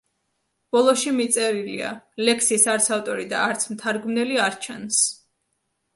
ბოლოში მიწერილია: ლექსის არც ავტორი და არც მთარგმნელი არ ჩანს.